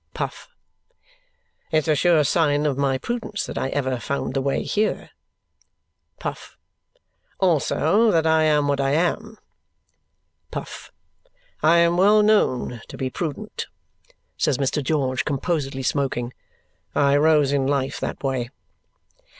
Puff. "It's a sure sign of my prudence that I ever found the way here." Puff. "Also, that I am what I am." Puff. "I am well known to be prudent," says Mr. George, composedly smoking. "I rose in life that way."